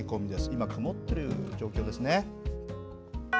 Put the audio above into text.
今、曇っている状況ですね。